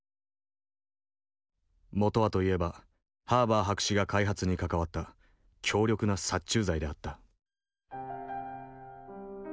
元はといえばハーバー博士が開発に関わった強力な殺虫剤であった。